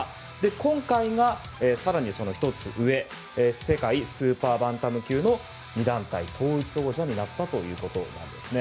今回が更にその１つ上世界スーパーバンタム級の２団体統一王者になったということなんですね。